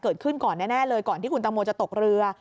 เกิดขึ้นก่อนแน่เลยก่อนที่คุณตังโมจะตกเรือ